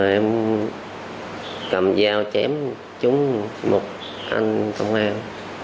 em cầm dao chém trúng một anh công an